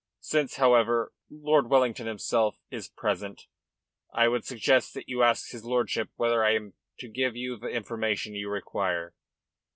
Since, however, Lord Wellington himself is present, I would suggest that you ask his lordship whether I am to give you the information you require."